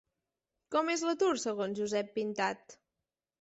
Com és l'atur segons Josep Pintat?